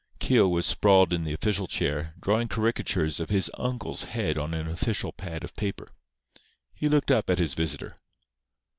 Keogh was sprawled in the official chair, drawing caricatures of his Uncle's head on an official pad of paper. He looked up at his visitor.